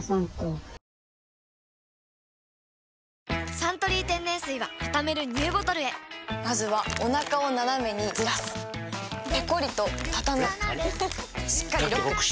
「サントリー天然水」はたためるＮＥＷボトルへまずはおなかをナナメにずらすペコリ！とたたむしっかりロック！